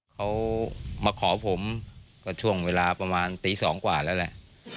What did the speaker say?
เขามาขอผมก็ช่วงเวลาประมาณตี๒กว่าแล้วแหละ